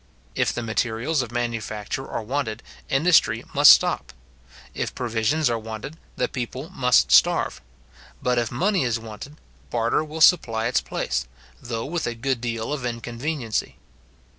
If the materials of manufacture are wanted, industry must stop. If provisions are wanted, the people must starve. But if money is wanted, barter will supply its place, though with a good deal of inconveniency.